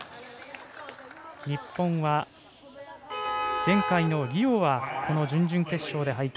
日本は前回のリオはこの準々決勝で敗退。